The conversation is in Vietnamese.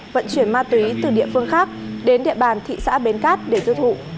vận chuyển ma túy từ địa phương khác đến địa bàn thị xã bến cát để tiêu thụ